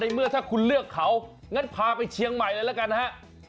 เมื่อถ้าคุณเลือกเขางั้นพาไปเชียงใหม่เลยละกันฮะ